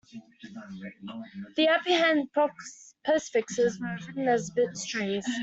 The appended postfixes are written as bit strings.